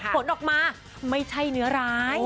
ผลออกมาไม่ใช่เนื้อร้าย